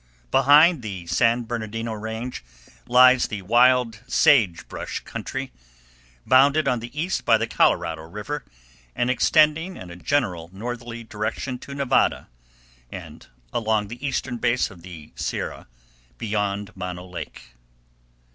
Behind the San Bernardino Range lies the wild "sage brush country," bounded on the east by the Colorado River, and extending in a general northerly direction to Nevada and along the eastern base of the Sierra beyond Mono Lake.